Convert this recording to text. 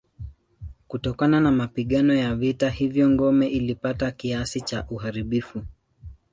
Kutokana na mapigano ya vita hivyo ngome ilipata kiasi cha uharibifu.